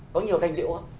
có nhiều thanh niệm quá